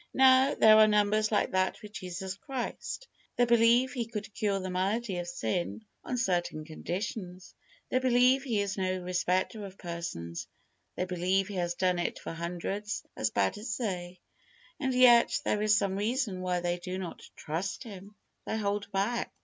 Now, there are numbers like that with Jesus Christ. They believe He could cure the malady of sin on certain conditions. They believe He is no respecter of persons. They believe He has done it for hundreds as bad as they, and yet there is some reason why they do not trust Him. They hold back.